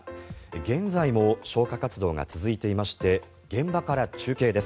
現在も消火活動が続いていまして現場から中継です。